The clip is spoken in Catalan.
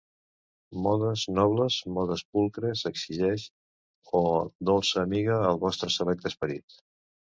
-Modes nobles, modes pulcres exigeix, oh, dolça amiga!, el vostre selecte esperit.